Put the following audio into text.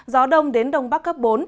gió đông đến đông bắc cấp bốn